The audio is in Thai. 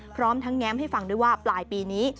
พร้อมทั้งแง้มให้ฟังด้วยว่าปลายปีนี้